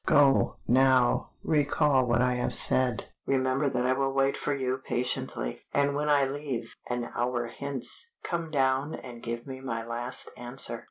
Go, now, recall what I have said, remember that I will wait for you patiently, and when I leave, an hour hence, come down and give me my last answer."